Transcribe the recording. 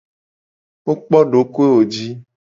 Wo kpo dokoewo ji.